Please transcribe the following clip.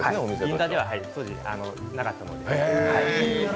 銀座では当時なかったので。